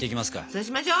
そうしましょ！